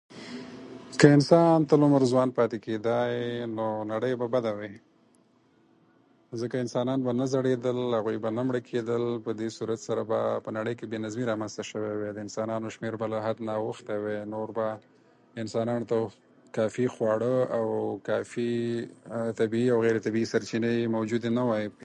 که انسان تل عمر ځوان پاتې کېدای، نو نړۍ به بده وای، ځکه انسانان به نه زړېدل، هغوی به نه مړه کېدل، په دې صورت سره به په نړۍ کې به بې نظمي رامنځته شوای وای. د انسانانو شمېر به له حده اوختی وای، نو انسانانو ته به کافي خواړه، او کافي طبيعي او غير طبيعي سرچينې موجودې نه وای.